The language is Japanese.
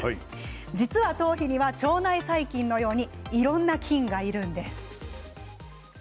実は頭皮には腸内細菌のようにいろんな菌がいるんです。